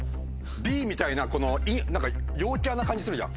Ｂみたいなこの陽キャな感じするじゃん。